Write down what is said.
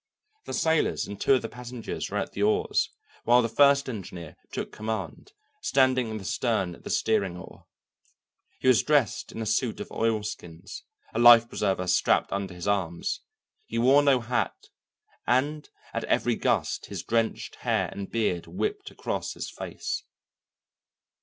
The sailors and two of the passengers were at the oars, while the first engineer took command, standing in the stern at the steering oar. He was dressed in a suit of oilskins, a life preserver strapped under his arms; he wore no hat, and at every gust his drenched hair and beard whipped across his face.